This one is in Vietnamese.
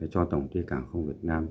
cho tổng thủy cảng không việt nam